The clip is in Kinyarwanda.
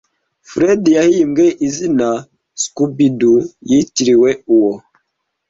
Fred yahimbye izina Scooby Do yitiriwe uwo